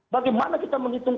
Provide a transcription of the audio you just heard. bagaimana kita menghitung